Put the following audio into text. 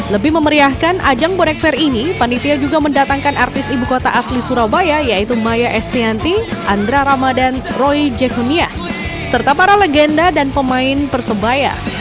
lebih memeriahkan ajang bonek fair ini panitia juga mendatangkan artis ibu kota asli surabaya yaitu maya estianti andra ramadan roy jakunia serta para legenda dan pemain persebaya